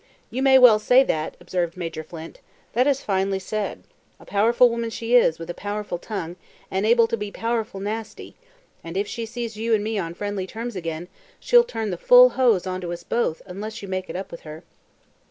"You may well say that," observed Major Flint. "That is finely said. A powerful woman she is, with a powerful tongue, and able to be powerful nasty, and if she sees you and me on friendly terms again, she'll turn the full hose on to us both unless you make it up with her."